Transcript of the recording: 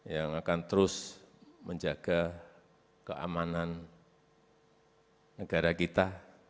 yang akan terus menjaga keamanan negara kita